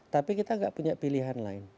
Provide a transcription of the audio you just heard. tapi kita nggak punya pilihan lain